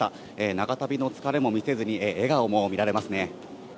長旅の疲れも見せずに、笑顔も見られますね。